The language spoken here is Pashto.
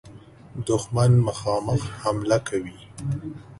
دښمن مخامخ حمله نه کوي.